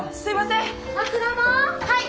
はい！